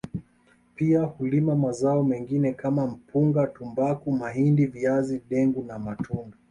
Pia hulima mazao mengine kama mpunga tumbaku mahindi viazi dengu na matunda